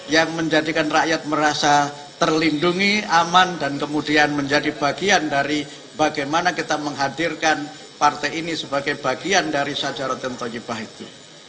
yang menjadikan rakyat merasa terlindungi aman dan kemudian menjadi bagian dari bagaimana kita menghadirkan partai ini sebagai bagian dari saja rotan toyibah itu